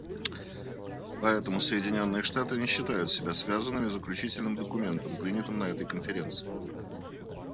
Поэтому Соединенные Штаты не считают себя связанными Заключительным документом, принятым на этой Конференции.